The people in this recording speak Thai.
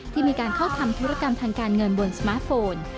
ที่มีการเข้าทำธุรกรรมทางการเงินบนสมาร์ทโฟน